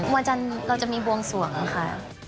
วันจันทร์เราจะมีบวงสวงค่ะ